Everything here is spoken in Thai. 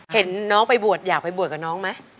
เห็นน้องไปบวชอยากไปบวชกับน้องไหม